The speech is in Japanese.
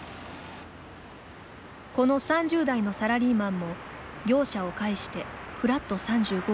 この３０代のサラリーマンも業者を介してフラット３５を利用。